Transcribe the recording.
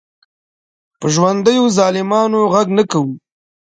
په ژوندیو ظالمانو غږ نه کوو.